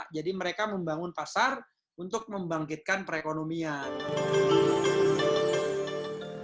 jadi mereka membangun pasar untuk membangkitkan perekonomian